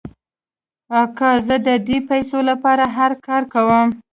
آقا زه د دې پیسو لپاره هر کار کوم.